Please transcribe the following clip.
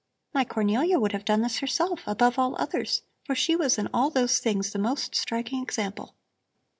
My Cornelia would have done this herself, above all others, for she was in all those things the most striking example.